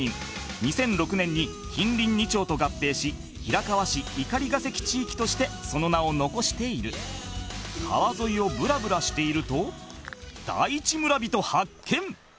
２００６年に近隣２町と合併し平川市碇ヶ関地域としてその名を残している川沿いをブラブラしているとすごい！キャ！